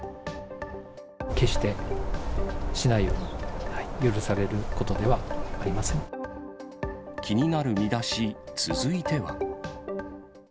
決してしないように、許され気になるミダシ、続いては。